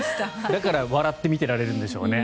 だから笑って見てられるんでしょうね。